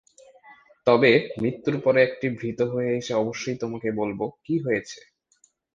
তবে, মৃত্যুর পরে একটি ভূত হয়ে এসে অবশ্যই তোমাকে বলবো কি হয়েছে।